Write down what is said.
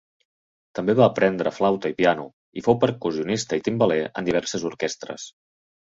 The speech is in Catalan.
També va aprendre flauta i piano, i fou percussionista i timbaler en diverses orquestres.